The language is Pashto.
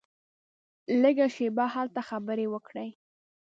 لږه شېبه هلته خبرې وکړې.